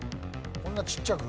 こんなちっちゃく？